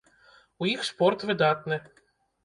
У іх спорт выдатны.